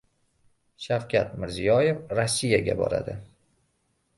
Shavkat Mirziyoev Rossiyaga boradi